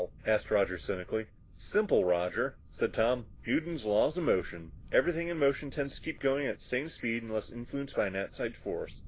asked Roger cynically. "Simple, Roger," said Tom, "Newton's Laws of motion. Everything in motion tends to keep going at the same speed unless influenced by an outside force.